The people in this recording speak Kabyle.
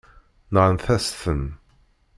Nɣant-as-ten.